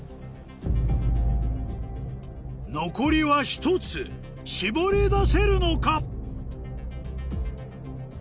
残りは１つ絞り出せるのか？